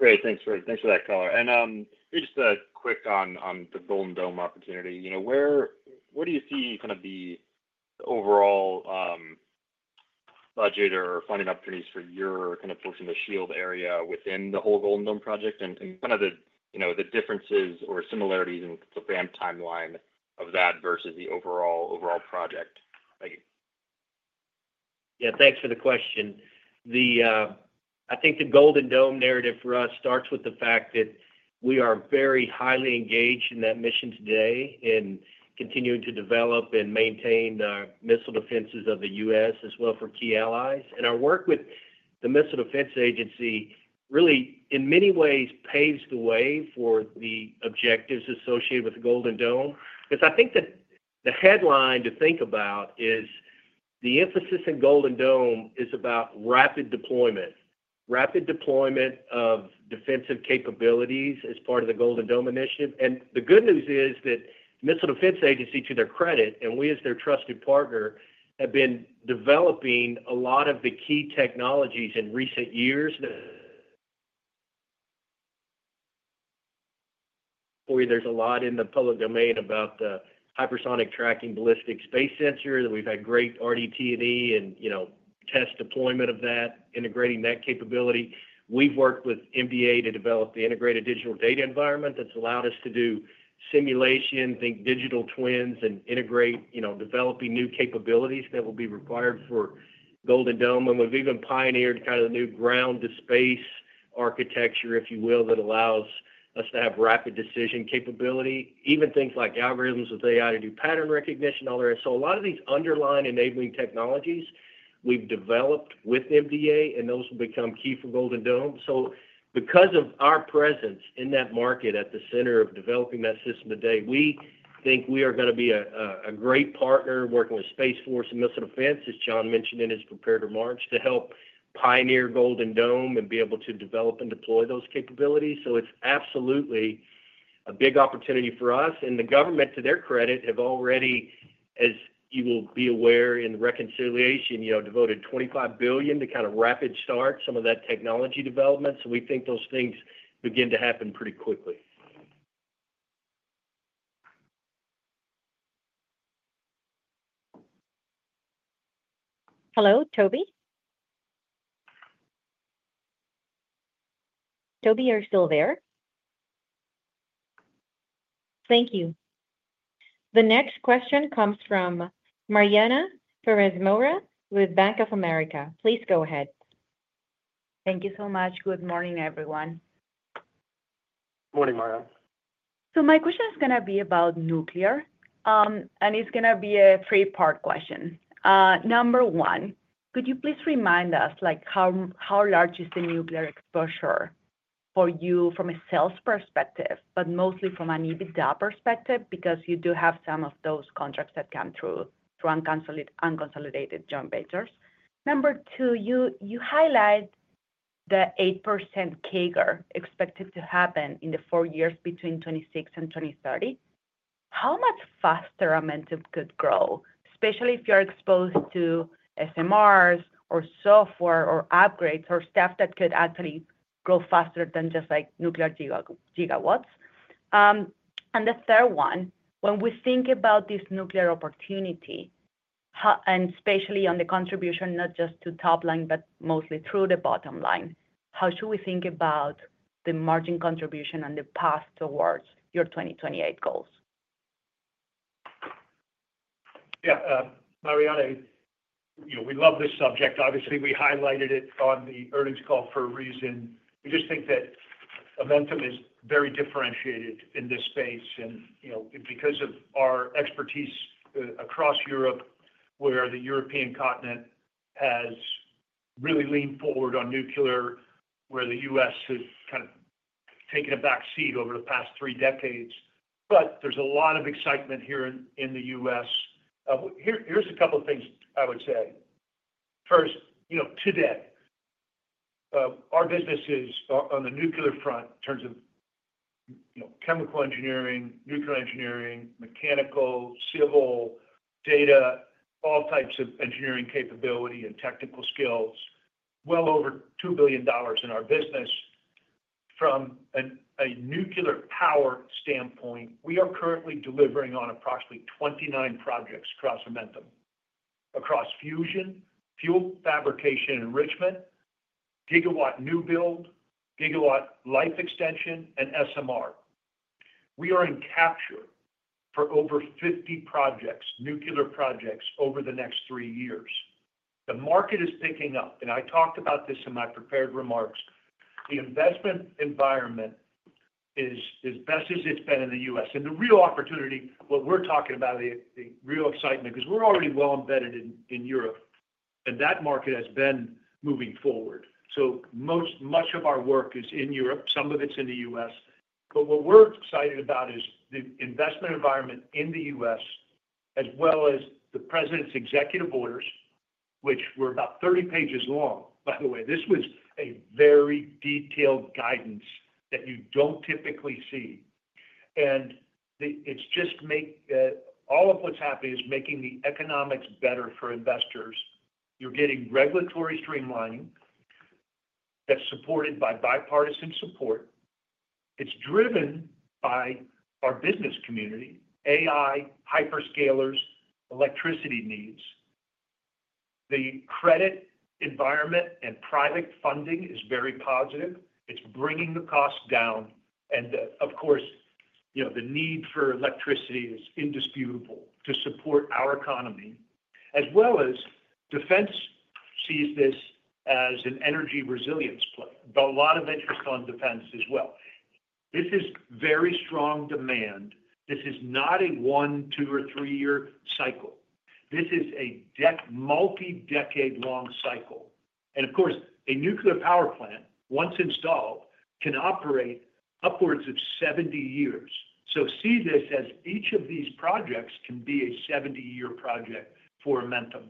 Speaker 7: Great. Thanks for that, Colin. Maybe just a quick on the Golden Dome opportunity. What do you see kind of the overall budget or funding opportunities for your kind of folks in the SHIELD area within the whole Golden Dome project, and the differences or similarities in the grand timeline of that versus the overall project?
Speaker 6: Yeah, thanks for the question. I think the Golden Dome narrative for us starts with the fact that we are very highly engaged in that mission today in continuing to develop and maintain the missile defenses of the U.S. as well for key allies. Our work with the Missile Defense Agency really, in many ways, paves the way for the objectives associated with the Golden Dome. I think that the headline to think about is the emphasis in Golden Dome is about rapid deployment, rapid deployment of defensive capabilities as part of the Golden Dome initiative. The good news is that the Missile Defense Agency, to their credit, and we as their trusted partner, have been developing a lot of the key technologies in recent years. There's a lot in the public domain about the hypersonic tracking ballistic space sensors. We've had great RDT&E and test deployment of that, integrating that capability. We've worked with MDA to develop the integrated digital data environment that's allowed us to do simulation, think digital twins, and integrate developing new capabilities that will be required for Golden Dome. We've even pioneered kind of the new ground-to-space architecture, if you will, that allows us to have rapid decision capability, even things like algorithms with AI to do pattern recognition, all the rest. A lot of these underlying enabling technologies we've developed with MDA, and those will become key for Golden Dome. Because of our presence in that market at the center of developing that system today, we think we are going to be a great partner working with Space Force and Missile Defense, as John mentioned in his prepared remarks, to help pioneer Golden Dome and be able to develop and deploy those capabilities. It's absolutely a big opportunity for us. The government, to their credit, has already, as you will be aware, in reconciliation, devoted $25 billion to kind of rapid start some of that technology development. We think those things begin to happen pretty quickly.
Speaker 1: Thank you. The next question comes from Mariana Pérez Mora with Bank of America. Please go ahead.
Speaker 8: Thank you so much. Good morning, everyone.
Speaker 7: Morning, Mariana.
Speaker 8: My question is going to be about nuclear, and it's going to be a three-part question. Number one, could you please remind us how large is the nuclear exposure for you from a sales perspective, but mostly from an EBITDA perspective because you do have some of those contracts that come through unconsolidated joint ventures? Number two, you highlight the 8% CAGR expected to happen in the four years between 2026 and 2030. How much faster Amentum could grow, especially if you're exposed to SMRs or software or upgrades or stuff that could actually grow faster than just nuclear gigawatts? The third one, when we think about this nuclear opportunity, and especially on the contribution, not just to top line, but mostly through the bottom line, how should we think about the margin contribution and the path towards your 2028 goals?
Speaker 3: Yeah, Mariana, you know, we love this subject. Obviously, we highlighted it on the earnings call for a reason. We just think that Amentum is very differentiated in this space. You know, because of our expertise across Europe, where the European continent has really leaned forward on nuclear, where the U.S. has kind of taken a back seat over the past three decades, but there's a lot of excitement here in the U.S. Here's a couple of things I would say. First, today, our businesses are on the nuclear front in terms of chemical engineering, nuclear engineering, mechanical, civil, data, all types of engineering capability and technical skills, well over $2 billion in our business. From a nuclear power standpoint, we are currently delivering on approximately 29 projects across Amentum, across fusion, fuel fabrication enrichment, gigawatt new build, gigawatt life extension, and SMR. We are in capture for over 50 projects, nuclear projects over the next three years. The market is picking up, and I talked about this in my prepared remarks. The investment environment is as best as it's been in the U.S. The real opportunity, what we're talking about, the real excitement, because we're already well embedded in Europe, and that market has been moving forward. Most much of our work is in Europe. Some of it's in the U.S. What we're excited about is the investment environment in the U.S., as well as the president's executive orders, which were about 30 pages long, by the way. This was a very detailed guidance that you don't typically see. It's just making all of what's happening is making the economics better for investors. You're getting regulatory streamlining that's supported by bipartisan support. It's driven by our business community, AI, hyperscalers, electricity needs. The credit environment and private funding is very positive. It's bringing the cost down. Of course, the need for electricity is indisputable to support our economy, as well as defense sees this as an energy resilience play, but a lot of interest on defense as well. This is very strong demand. This is not a one, two, or three-year cycle. This is a multi-decade-long cycle. Of course, a nuclear power plant, once installed, can operate upwards of 70 years. See this as each of these projects can be a 70-year project for Amentum.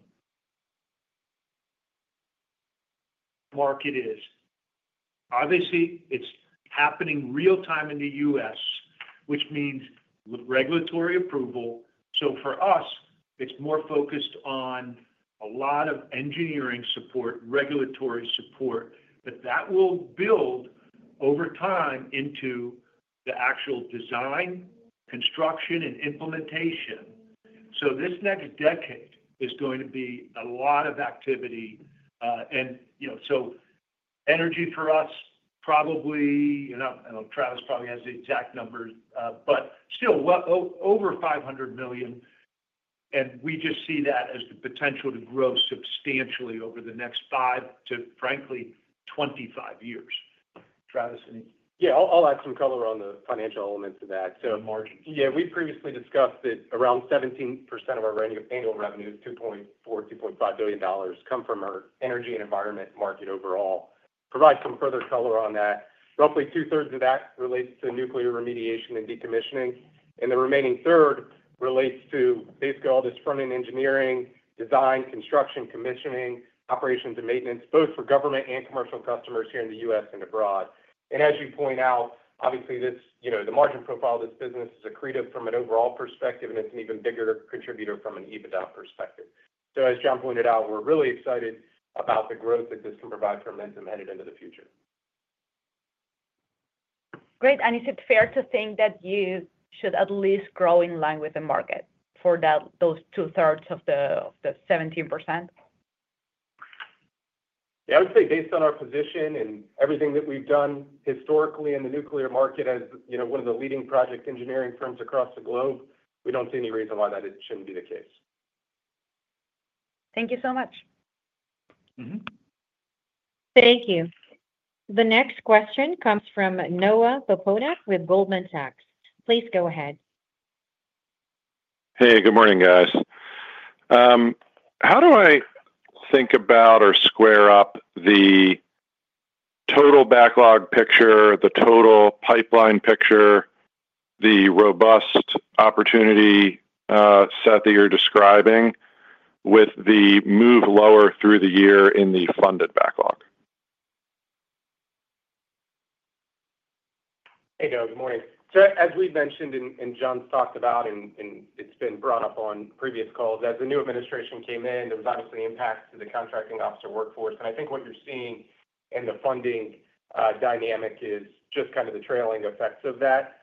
Speaker 3: Market is, obviously, it's happening real-time in the U.S., which means with regulatory approval. For us, it's more focused on a lot of engineering support, regulatory support, but that will build over time into the actual design, construction, and implementation. This next decade is going to be a lot of activity. Energy for us, probably, Travis probably has the exact numbers, but still well over $500 million. We just see that as the potential to grow substantially over the next five to, frankly, 25 years. Travis, any.
Speaker 4: Yeah, I'll add some color on the financial element to that. Mark, we've previously discussed that around 17% of our annual revenue, $2.4 billion-$2.5 billion, come from our energy and environment market overall. Provide some further color on that. Roughly 2/3 of that relates to nuclear remediation and decommissioning. The remaining 1/3 relates to basically all this front-end engineering, design, construction, commissioning, operations, and maintenance, both for government and commercial customers here in the U.S. and abroad. As you point out, obviously, the margin profile of this business is accretive from an overall perspective, and it's an even bigger contributor from an EBITDA perspective. As John pointed out, we're really excited about the growth that this can provide for Amentum headed into the future.
Speaker 8: Is it fair to think that you should at least grow in line with the market for those 2/3 of the 17%?
Speaker 4: I would say based on our position and everything that we've done historically in the nuclear market as one of the leading project engineering firms across the globe, we don't see any reason why that shouldn't be the case.
Speaker 8: Thank you so much.
Speaker 1: Thank you. The next question comes from Noah Poponak with Goldman Sachs. Please go ahead.
Speaker 9: Good morning, guys. How do I think about or square up the total backlog picture, the total pipeline picture, the robust opportunity set that you're describing with the move lower through the year in the funded backlog?
Speaker 4: Hey, Noah. Good morning. As we mentioned and John's talked about, and it's been brought up on previous calls, as the new administration came in, there was obviously an impact to the contracting officer workforce. I think what you're seeing in the funding dynamic is just kind of the trailing effects of that.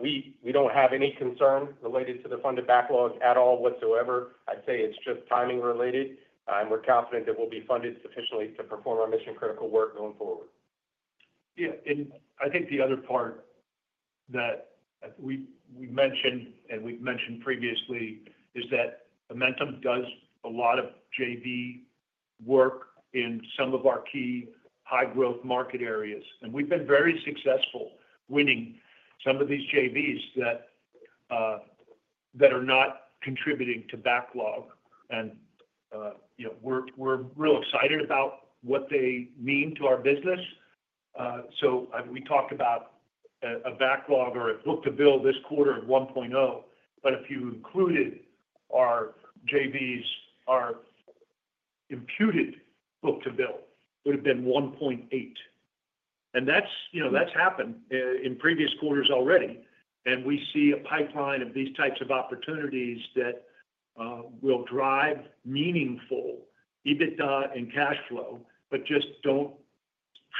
Speaker 4: We don't have any concern related to the funded backlog at all whatsoever. I'd say it's just timing related, and we're confident that we'll be funded sufficiently to perform our mission-critical work going forward.
Speaker 3: Yeah, I think the other part that we mentioned and we've mentioned previously is that Amentum does a lot of JV work in some of our key high-growth market areas. We've been very successful winning some of these JVs that are not contributing to backlog, and we're real excited about what they mean to our business. We talked about a backlog or a book-to-bill this quarter of 1.0, but if you included our JVs, our imputed book-to-bill would have been 1.8. That's happened in previous quarters already, and we see a pipeline of these types of opportunities that will drive meaningful EBITDA and cash flow but just don't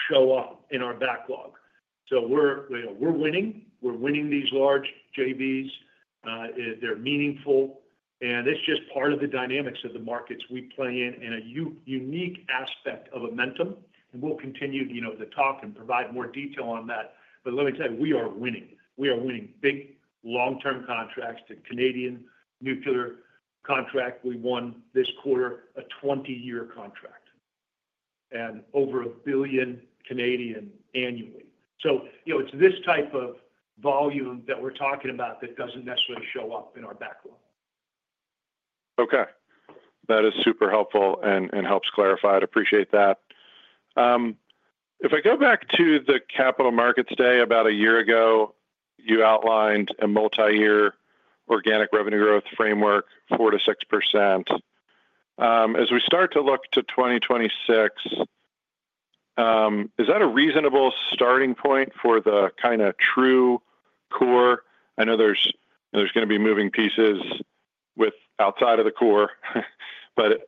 Speaker 3: show up in our backlog. We're winning these large JVs. They're meaningful, and it's just part of the dynamics of the markets we play in and a unique aspect of Amentum. We'll continue to talk and provide more detail on that. Let me tell you, we are winning. We are winning big long-term contracts. The Canadian nuclear contract we won this quarter is a 20-year contract and over 1 billion annually. It's this type of volume that we're talking about that doesn't necessarily show up in our backlog.
Speaker 9: Okay. That is super helpful and helps clarify. I appreciate that. If I go back to the Capital Markets Day about a year ago, you outlined a multi-year organic revenue growth framework, 4%-6%. As we start to look to 2026, is that a reasonable starting point for the kind of true core? I know there's going to be moving pieces outside of the core, but is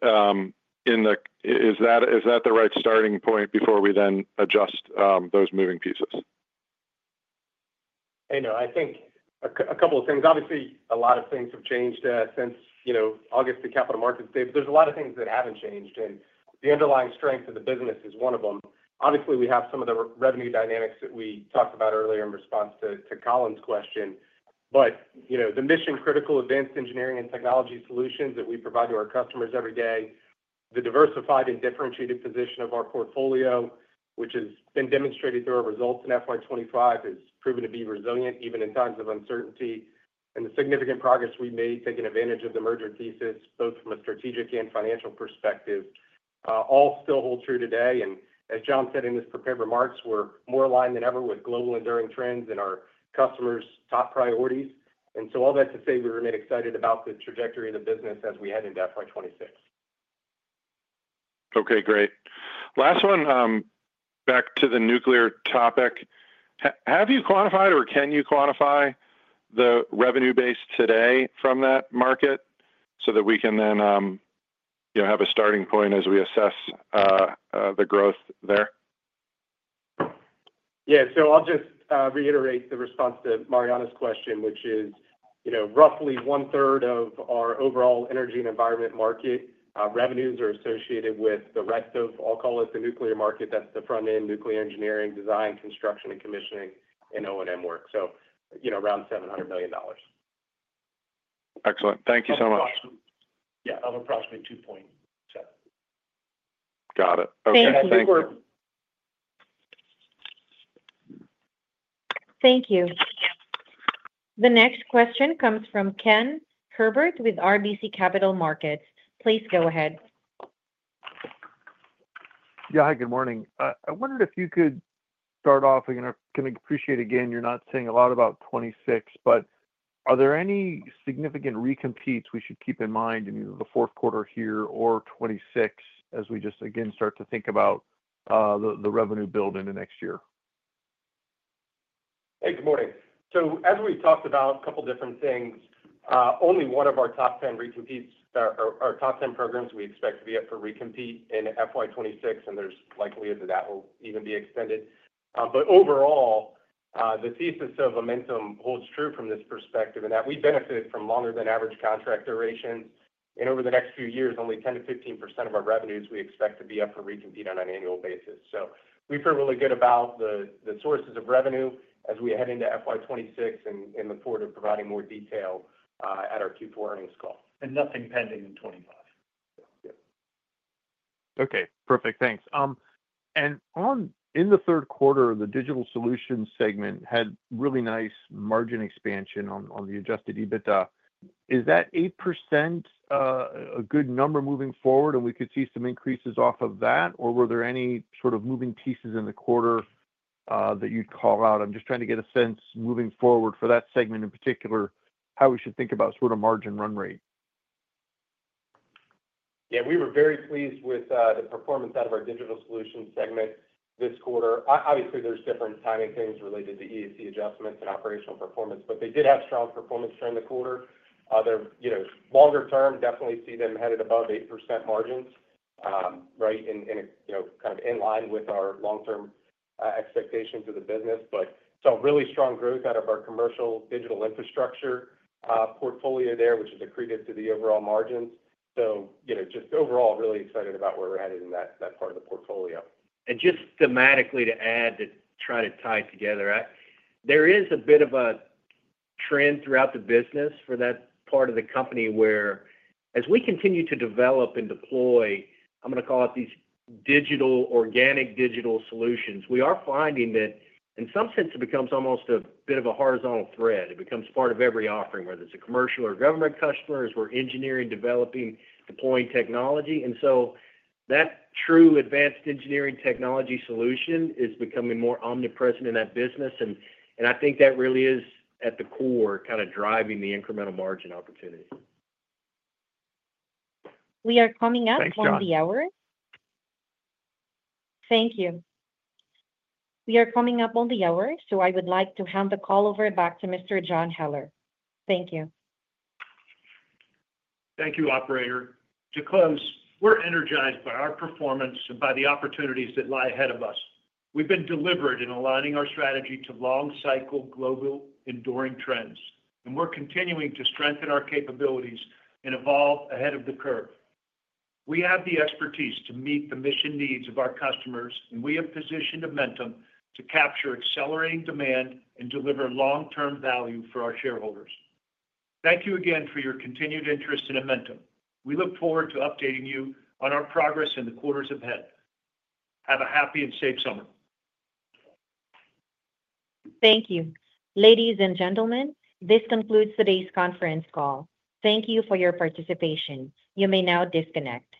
Speaker 9: that the right starting point before we then adjust those moving pieces?
Speaker 4: No, I think a couple of things. Obviously, a lot of things have changed since August, the Capital Markets Day, but there's a lot of things that haven't changed. The underlying strength of the business is one of them. Obviously, we have some of the revenue dynamics that we talked about earlier in response to Colin's question. The mission-critical advanced engineering and technology solutions that we provide to our customers every day, the diversified and differentiated position of our portfolio, which has been demonstrated through our results in FY2025, has proven to be resilient even in times of uncertainty. The significant progress we made, taking advantage of the merger thesis, both from a strategic and financial perspective, all still hold true today. As John Heller said in his prepared remarks, we're more aligned than ever with global enduring trends and our customers' top priorities. All that to say we remain excited about the trajectory of the business as we head into FY2026.
Speaker 9: Okay, great. Last one, back to the nuclear topic. Have you quantified or can you quantify the revenue base today from that market so that we can then, you know, have a starting point as we assess the growth there?
Speaker 4: I'll just reiterate the response to Mariana's question, which is, you know, roughly 1/3 of our overall energy and environment market revenues are associated with the rest of, I'll call it the nuclear market. That's the front-end nuclear engineering, design, construction, and commissioning, and O&M work. You know, around $700 million.
Speaker 9: Excellent. Thank you so much.
Speaker 4: Yeah, of approximately $2.0 million.
Speaker 9: Got it. Okay.
Speaker 4: Thank you.
Speaker 1: Thank you. The next question comes from Ken Herbert with RBC Capital Markets. Please go ahead.
Speaker 10: Yeah, hi, good morning. I wondered if you could start off, and I can appreciate again, you're not saying a lot about 2026, but are there any significant recompetes we should keep in mind in either the fourth quarter here or 2026 as we just again start to think about the revenue build in the next year?
Speaker 4: Hey, good morning. As we've talked about a couple of different things, only one of our top 10 recompetes or top 10 programs we expect to be up for recompete in FY2026, and there's likelihood that that will even be extended. Overall, the thesis of Amentum holds true from this perspective in that we benefited from longer than average contract durations. Over the next few years, only 10%-15% of our revenues we expect to be up for recompete on an annual basis. We feel really good about the sources of revenue as we head into FY2026 and look forward to providing more detail at our Q4 Earnings Call. Nothing pending in 2025.
Speaker 10: Okay, perfect. Thanks. In the third quarter, the digital solutions segment had really nice margin expansion on the adjusted EBITDA. Is that 8% a good number moving forward, and we could see some increases off of that, or were there any sort of moving pieces in the quarter that you'd call out? I'm just trying to get a sense moving forward for that segment in particular, how we should think about sort of margin run rate.
Speaker 4: Yeah, we were very pleased with the performance out of our digital solutions segment this quarter. Obviously, there's different timing things related to EAC adjustments and operational performance, but they did have strong performance during the quarter. Longer term, definitely see them headed above 8% margins, right, and, you know, kind of in line with our long-term expectations of the business. Saw really strong growth out of our commercial digital infrastructure portfolio there, which is accretive to the overall margins. Just overall really excited about where we're headed in that part of the portfolio.
Speaker 6: Thematically, to add to try to tie it together, there is a bit of a trend throughout the business for that part of the company where, as we continue to develop and deploy, I'm going to call it these organic digital solutions, we are finding that, in some sense, it becomes almost a bit of a horizontal thread. It becomes part of every offering, whether it's a commercial or government customer, as we're engineering, developing, deploying technology. That true advanced engineering technology solution is becoming more omnipresent in that business. I think that really is, at the core, kind of driving the incremental margin opportunities.
Speaker 1: We are coming up on the hour. Thank you. We are coming up on the hour, so I would like to hand the call over back to Mr. John Heller. Thank you.
Speaker 3: Thank you, operator. To close, we're energized by our performance and by the opportunities that lie ahead of us. We've been deliberate in aligning our strategy to long-cycle global enduring trends, and we're continuing to strengthen our capabilities and evolve ahead of the curve. We have the expertise to meet the mission needs of our customers, and we have positioned Amentum to capture accelerating demand and deliver long-term value for our shareholders. Thank you again for your continued interest in Amentum. We look forward to updating you on our progress in the quarters ahead. Have a happy and safe summer.
Speaker 1: Thank you. Ladies and gentlemen, this concludes today's conference call. Thank you for your participation. You may now disconnect.